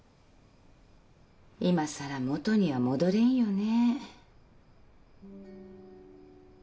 いまさら元には戻れんよね。